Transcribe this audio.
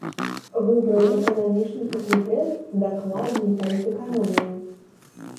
Выбраў эканамічны факультэт, дакладней палітэканомію.